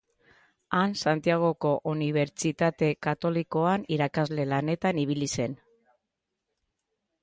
Han Santiagoko Unibertsitate Katolikoan irakasle lanetan ibili zen.